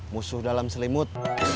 musuh dalam selimut